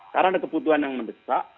karena ada kebutuhan yang mendekat